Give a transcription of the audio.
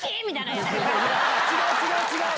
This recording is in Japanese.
違う違う違う！